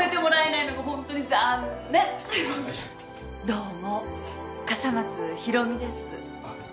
どうも笠松ひろみです。